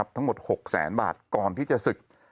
ทั้งหมด๖แสนบาทก่อนที่จะศึก